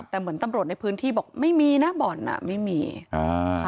แต่เหมือนตำรวจในพื้นที่บอกไม่มีนะบ่อนอ่ะไม่มีอ่า